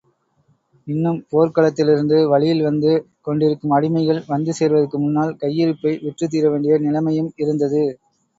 இன்னும் போர்க்களத்திலிருந்து வழியில் வந்து கொண்டிருக்கும் அடிமைகள் வந்து சேர்வதற்கு முன்னால், கையிருப்பை விற்றுத்தீரவேண்டிய நிலைமையும் இருந்தது.